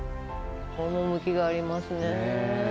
趣がありますね。ね。